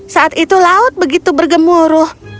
saat itu laut begitu bergemuruh